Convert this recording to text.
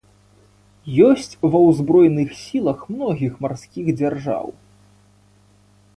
Ёсць ва ўзброеных сілах многіх марскіх дзяржаў.